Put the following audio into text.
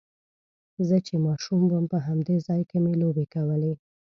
زه چې ماشوم وم په همدې ځای کې مې لوبې کولې.